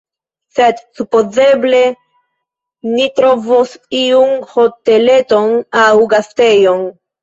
Sed supozeble ni trovos iun hoteleton aŭ gastejon.